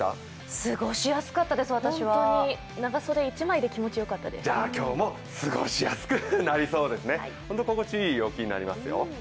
過ごしやすかったです、私は今日も過ごしやすくなりそうですね、ホント心地いい陽気になりますよ。